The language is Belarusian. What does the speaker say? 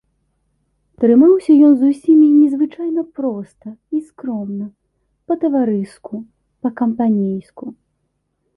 Трымаўся ён з усімі незвычайна проста і скромна, па-таварыску, па-кампанейску.